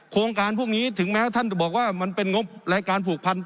โครงการพวกนี้ถึงแม้ท่านจะบอกว่ามันเป็นงบรายการผูกพัน